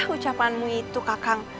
ucapanmu itu kakang